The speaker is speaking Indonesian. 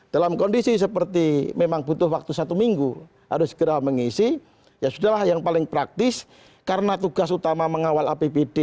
dalam kondisi seperti memang butuh waktu satu minggu harus segera mengisi ya sudah lah yang paling praktis karena tugas utama mengawal apbd